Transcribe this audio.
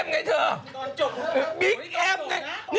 บิ๊กแอมม์ไงเถอะบิ๊กแอมม์ไง